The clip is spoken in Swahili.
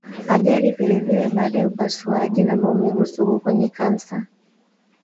ajali vilevile baada ya upasuaji na maumivu sugu kwenye kansa